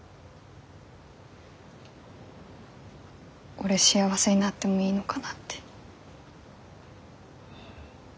俺幸せになってもいいのかなって。